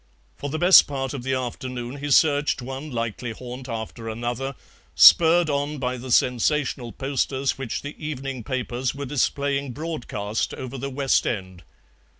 For the best part of the afternoon he searched one likely haunt after another, spurred on by the sensational posters which the evening papers were displaying broadcast over the West End.